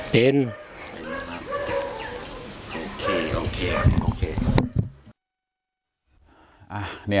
กินขวางใจเป็นน่ะพี่